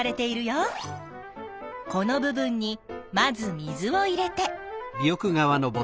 この部分にまず水を入れて。